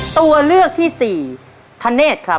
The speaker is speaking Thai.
ตัวเลือกที่สี่ธเนธครับ